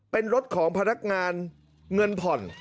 เป็นรถของพนักงานเงินผ่อน